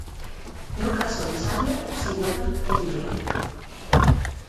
É o caso de Sarria, Silleda e Ribeira.